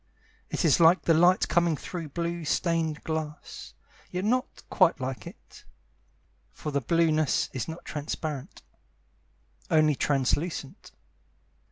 It is like the light coming through blue stained glass, Yet not quite like it, For the blueness is not transparent, Only translucent.